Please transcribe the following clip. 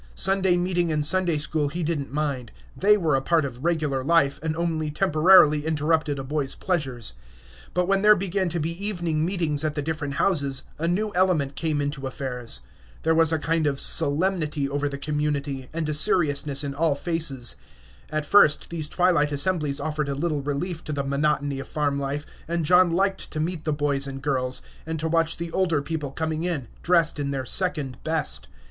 Sunday meeting and Sunday school he did n't mind; they were a part of regular life, and only temporarily interrupted a boy's pleasures. But when there began to be evening meetings at the different houses, a new element came into affairs. There was a kind of solemnity over the community, and a seriousness in all faces. At first these twilight assemblies offered a little relief to the monotony of farm life; and John liked to meet the boys and girls, and to watch the older people coming in, dressed in their second best.